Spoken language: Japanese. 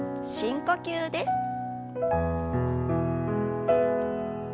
深呼吸です。